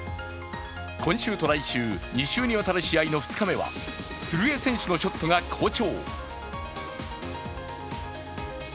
今週と来週、２週にわたる試合の２日目は、古江選手のショットが好調。